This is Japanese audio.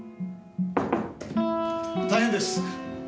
大変です！